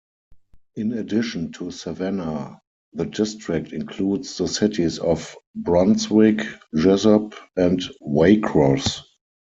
In addition to Savannah, the district includes the cities of Brunswick, Jesup, and Waycross.